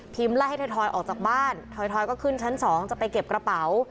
พิมไล่ให้ทอยทอยออกจากบ้านทอยทอยก็ขึ้นชั้นสองจะไปเก็บกระเป๋า